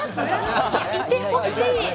いてほしい。